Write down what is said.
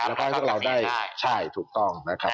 แล้วก็ให้พวกเราได้ใช่ถูกต้องนะครับ